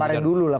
kemarin dulu lah